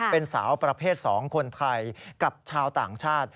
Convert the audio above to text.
เป็นสาวประเภท๒คนไทยกับชาวต่างชาติ